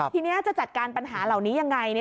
ทีนี้จะจัดการปัญหาเหล่านี้ยังไง